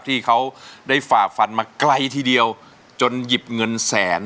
ที่เขาได้ฝ่าฟันมาไกลทีเดียวจนหยิบเงินแสน